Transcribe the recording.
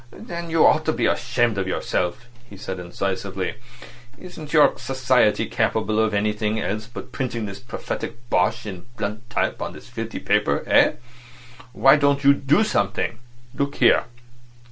"Then you ought to be ashamed of yourself," he said incisively. "Isn't your society capable of anything else but printing this prophetic bosh in blunt type on this filthy paper eh? Why don't you do something? Look here.